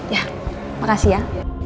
ya makasih ya